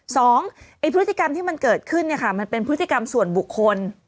ไอ้พฤติกรรมที่มันเกิดขึ้นเนี่ยค่ะมันเป็นพฤติกรรมส่วนบุคคล